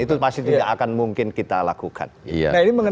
itu pasti tidak akan mungkin kita lakukan itu pasti tidak akan mungkin kita lakukan